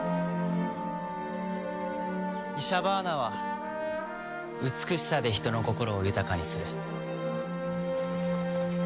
イシャバーナは美しさで人の心を豊かにする。